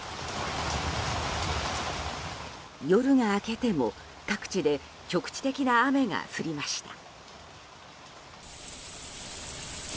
夜が明けても各地で局地的な雨が降りました。